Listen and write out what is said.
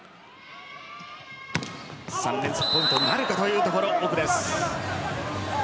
３連続ポイントなるかというところ、奥です。